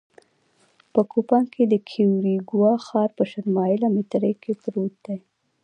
په کوپان کې د کیوریګوا ښار په شل مایله مترۍ کې پروت دی